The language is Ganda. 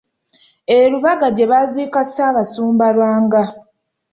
E Lubaga gye baaziika Ssaabasumba Lwanga.